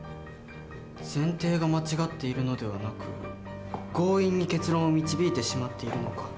前提が間違っているのではなく強引に結論を導いてしまっているのか。